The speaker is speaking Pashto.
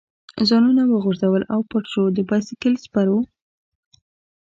ځانونه وغورځول او پټ شو، د بایسکل سپرو.